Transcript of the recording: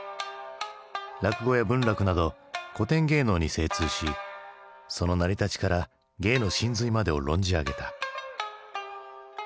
落語や文楽など古典芸能に精通しその成り立ちから芸の神髄までを論じ上げた。